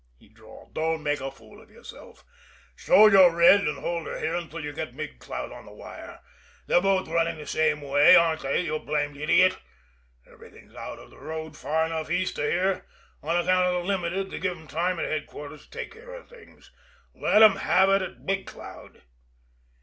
he drawled. "Don't make a fool of yourself! Show your red and hold her here until you get Big Cloud on the wire they're both running the same way, aren't they, you blamed idiot! Everything's out of the road far enough east of here on account of the Limited to give 'em time at headquarters to take care of things. Let 'em have it at Big Cloud."